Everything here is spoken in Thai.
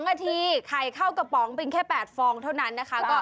นาทีไข่เข้ากระป๋องเป็นแค่๘ฟองเท่านั้นนะคะ